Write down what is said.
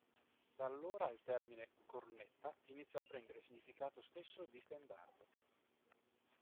Da allora il termine "cornetta" iniziò a prendere il significato stesso di stendardo.